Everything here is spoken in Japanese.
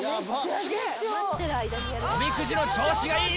おみくじの調子がいい。